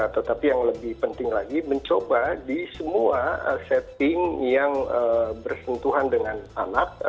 tetapi yang lebih penting lagi mencoba di semua setting yang bersentuhan dengan anak